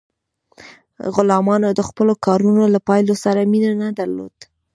غلامانو د خپلو کارونو له پایلو سره مینه نه درلوده.